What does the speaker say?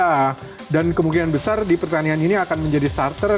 ya dan kemungkinan besar di pertandingan ini akan menjadi starter